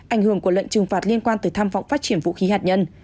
ảnh hưởng của lệnh trừng phạt liên quan tới tham vọng phát triển vũ khí hạt nhân